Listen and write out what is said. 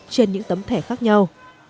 trên những tấm thẻ khác nhau